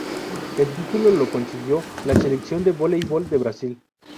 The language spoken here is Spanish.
El título lo consiguió la Selección de voleibol de Brasil.